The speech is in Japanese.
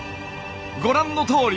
ご覧のとおり。